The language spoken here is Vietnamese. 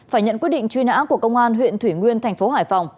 phải nhận quyết định truy nã của công an huyện thủy nguyên thành phố hải phòng